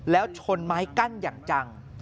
แล้วชนไม้กั้นอย่างจัง